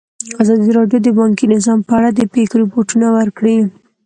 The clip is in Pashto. ازادي راډیو د بانکي نظام په اړه د پېښو رپوټونه ورکړي.